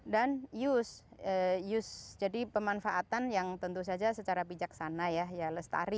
dan use jadi pemanfaatan yang tentu saja secara bijaksana ya ya lestari